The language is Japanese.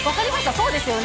そうですよね。